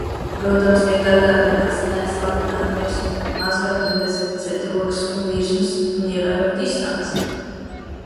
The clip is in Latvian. Protams, tiek atgādināts neatslābināties, mazgāt un dezinficēt rokas un virsmas un ievērot distanci.